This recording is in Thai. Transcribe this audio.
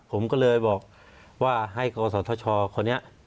ผมก็เลยบอกว่าให้โรงสอบธรรมชคนเนี้ย